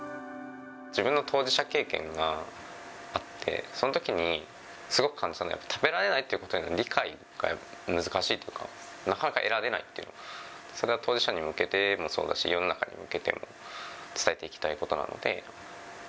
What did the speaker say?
自分の当事者経験があって、そんときにすごく感じたのは、食べられないということへの理解が難しいっていうか、なかなか得られない、それは当事者に向けてもそうだし、世の中に向けても伝えていきたいことなので。